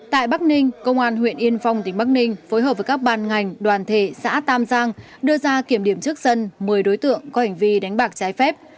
tại bắc ninh công an huyện yên phong tỉnh bắc ninh phối hợp với các ban ngành đoàn thể xã tam giang đưa ra kiểm điểm trước sân một mươi đối tượng có hành vi đánh bạc trái phép